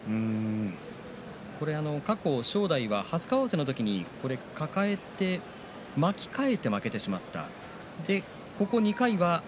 過去、正代は初顔合わせの時に抱えて巻き替えて負けてしまった。